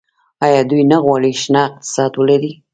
آیا دوی نه غواړي شنه اقتصاد ولري؟